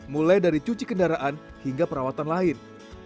mulai dari cuci kendaraan hingga perawatan lain